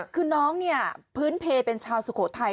คือน้องเนี่ยพื้นเพลเป็นชาวสุโขทัย